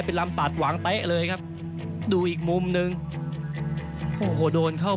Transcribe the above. เป็นลำปาดหวังเต๊ะเลยครับดูอีกมุมหนึ่งโอ้โหโดนเข้า